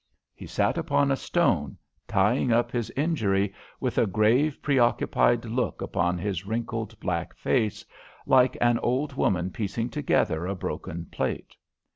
He sat upon a stone, tying up his injury with a grave, preoccupied look upon his wrinkled black face, like an old woman piecing together a broken plate.